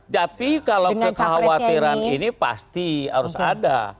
tapi kalau kekhawatiran ini pasti harus ada